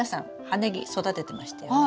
葉ネギ育ててましたよね？